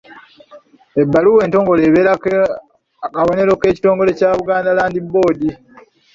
Ebbaluwa entongole ebeerako akabonero k'ekitongole kya Buganda Land Board.